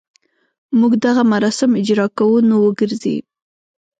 موږ دغه مراسم اجراء کوو نو وګرځي.